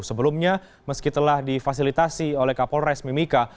sebelumnya meski telah difasilitasi oleh kapolres mimika